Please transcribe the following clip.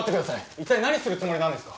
一体何するつもりなんですか！？